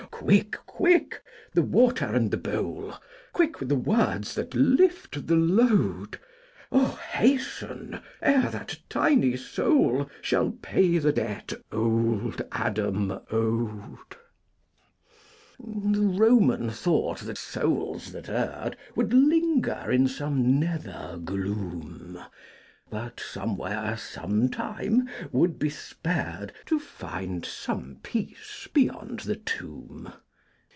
Quick, quick, the water and the bowl! Quick with the words that lift the load! Oh, hasten, ere that tiny soul Shall pay the debt old Adam owed! The Roman thought the souls that erred Would linger in some nether gloom, But somewhere, sometime, would be spared To find some peace beyond the tomb.